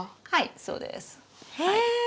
はいそうです。へえ！